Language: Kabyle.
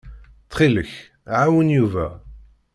Ttxil-k, ɛawen Yuba.